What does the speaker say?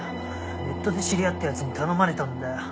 ネットで知り合った奴に頼まれたんだよ。